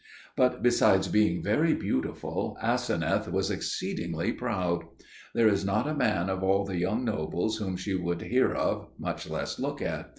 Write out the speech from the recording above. But besides being very beautiful, Aseneth was exceedingly proud. There was not a man of all the young nobles whom she would hear of, much less look at.